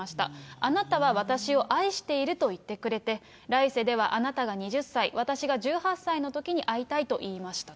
あなたは私を愛していると言ってくれて、来世ではあなたが２０歳、私が１８歳のときに会いたいと言いました。